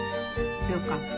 よかった。